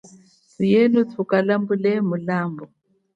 Thuyenu thukalambule mulambu.